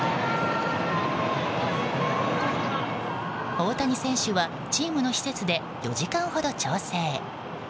大谷選手はチームの施設で４時間ほど調整。